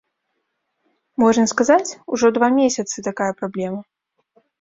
Можна сказаць, ужо два месяцы такая праблема.